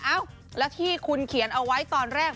เอ้าแล้วที่คุณเขียนเอาไว้ตอนแรก